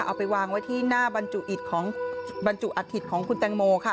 เอาไปวางไว้ที่หน้าบรรจุอาทิตย์ของคุณแตงโมค่ะ